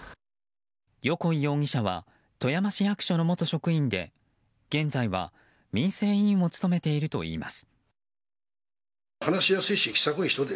横井容疑者は富山市役所の元職員で現在は、民生委員を務めているといいます。